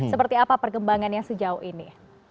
seperti apa perkembangan yang sejauh ini